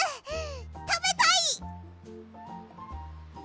たべたい！